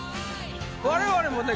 我々もね